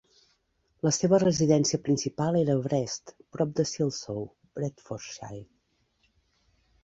La seva residència principal era a Wrest, prop de Silsoe, Bedfordshire.